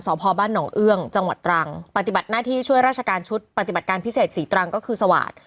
สอบพอบ้านหนองเอื้องจังหวัดตรังปฏิบัติหน้าที่ช่วยราชการชุดปฏิบัติการพิเศษศรีตรังก็คือสวาสตร์